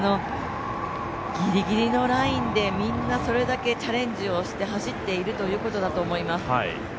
ギリギリのラインでみんなそれだけチャレンジをして走っているということだと思います。